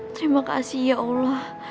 terima kasih ya allah